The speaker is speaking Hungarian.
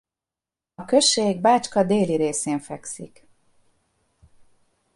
A község Bácska déli részén fekszik.